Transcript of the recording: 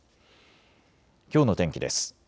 きょうの天気です。